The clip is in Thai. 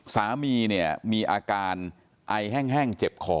สามีเนี่ยมีอาการไอแห้งเจ็บคอ